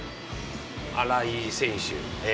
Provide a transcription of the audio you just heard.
荒井選手。